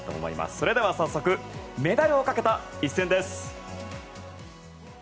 それでは早速メダルをかけた一戦です。